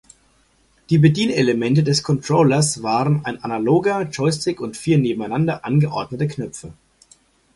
Die Bedienelemente des Controllers waren ein analoger Joystick und vier nebeneinander angeordnete Knöpfe.